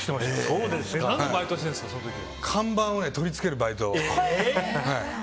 看板を取り付けるバイトを。